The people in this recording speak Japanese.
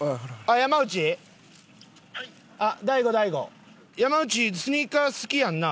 山内スニーカー好きやんな？